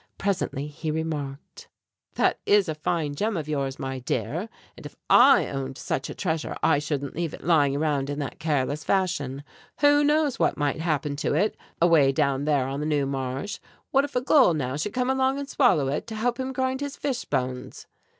Presently he remarked: "That is a fine gem of yours, my dear; and if I owned such a treasure I shouldn't leave it lying around in that careless fashion. Who knows what might happen to it, away down there on the New Marsh? What if a gull, now, should come along and swallow it, to help him grind his fish bones."